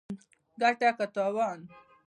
ګټه که تاوان